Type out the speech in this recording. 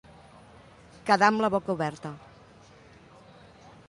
Quedar amb la boca oberta.